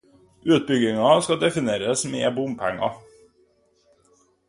Utbyggingen skal delfinansieres med bompenger.